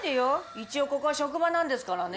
一応ここは職場なんですからね。